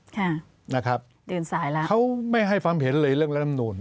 ค่ะนะครับดื่นสายแล้วเขาไม่ให้ฟังเห็นเลยเรื่องแรมนุน